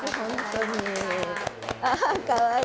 あかわいい。